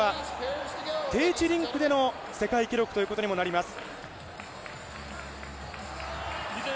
３６秒９４は低地リンクでの世界記録ということにもなります。